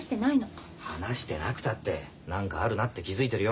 話してなくたって何かあるなって気付いてるよ。